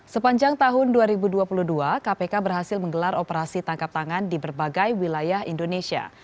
sepanjang tahun dua ribu dua puluh dua kpk berhasil menggelar operasi tangkap tangan di berbagai wilayah indonesia